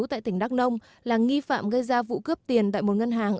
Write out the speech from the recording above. tại tỉnh đắk nông là nghi phạm gây ra vụ cướp tiền tại một ngân hàng